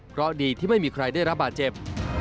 เพราะดีที่ไม่มีใครได้รับบาดเจ็บ